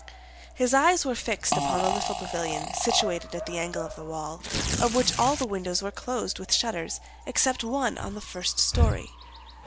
His eyes were fixed upon the little pavilion situated at the angle of the wall, of which all the windows were closed with shutters, except one on the first story.